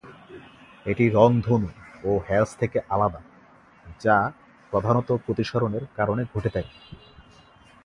এটি রংধনু ও হ্যালস থেকে আলাদা, যা প্রধানত প্রতিসরণের কারণে ঘটে থাকে।